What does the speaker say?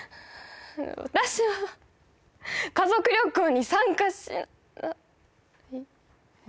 私は家族旅行に参加しない？えっ？